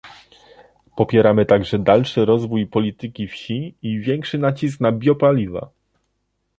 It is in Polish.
Popieramy także dalszy rozwój polityki wsi i większy nacisk na biopaliwa